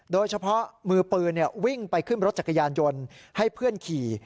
โดยเฉพาะมือปืนวิ่งไปขึ้นรถจักรยานยนต์ให้เพื่อนขี่